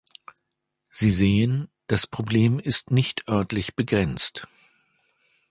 Sie sehen, das Problem ist nicht örtlich begrenzt.